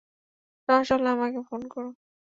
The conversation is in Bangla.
সমস্যা হলে আমাকে ফোন করো।